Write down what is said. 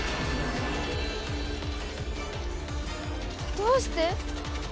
どうして？